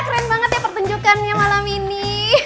keren banget ya pertunjukannya malam ini